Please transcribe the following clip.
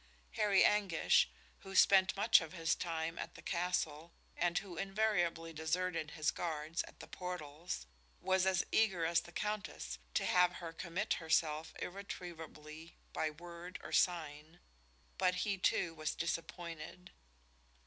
Harry Anguish, who spent much of his time at the castle and who invariably deserted his guards at the portals, was as eager as the Countess to have her commit herself irretrievably by word or sign, but he, too, was disappointed.